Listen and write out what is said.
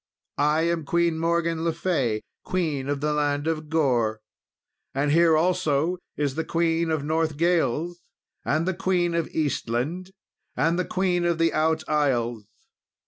I am Queen Morgan le Fay, Queen of the land of Gore, and here also is the Queen of Northgales, and the Queen of Eastland, and the Queen of the Out Isles.